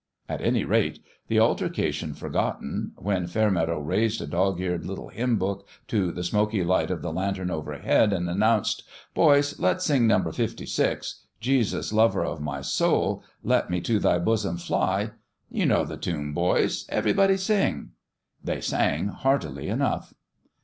At any rate, the altercation forgotten, when Fair meadow raised a dog eared little hymn book to the smoky light of the lantern overhead, and announced, " Boys, let's sing number fifty six. Jesus, lover of my soul, let me to Thy bosom fly. You know the tune, boys. Everybody sing " they sang heartily enough.